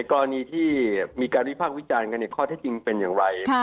กรณีที่มีการวิภาควิจารณ์กันเนี่ยข้อจริงเป็นยังไง